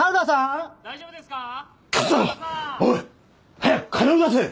早く金を出せ。